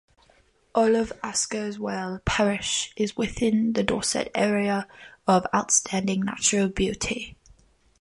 All of Askerswell parish is within the Dorset Area of Outstanding Natural Beauty.